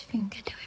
はい。